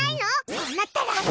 こうなったら。